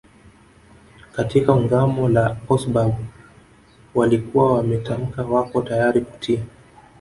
Katika Ungamo la Augsburg walikuwa wametamka wako tayari kutii